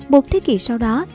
một thế kỷ sau đó